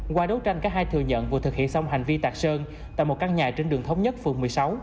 qua đấu tranh các hai thừa nhận vừa thực hiện xong hành vi tạc sơn tại một căn nhà trên đường thống nhất phường một mươi sáu